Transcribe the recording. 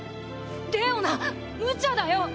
レオナむちゃだよ！